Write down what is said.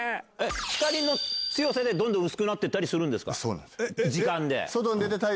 光の強さでどんどん薄くなってったりするんですか？